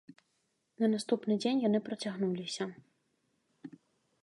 На наступны дзень яны працягнуліся.